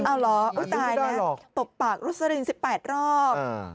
เอาเหรออุ๊ยตายแล้วตบปากรุษฎริงสิบแปดรอบอ่า